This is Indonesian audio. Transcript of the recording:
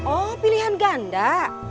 oh pilihan ganda